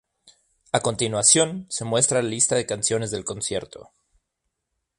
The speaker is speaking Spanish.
A continuación se muestra la lista de canciones del concierto.